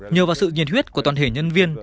nhờ vào sự nhiệt huyết của toàn thể nhân viên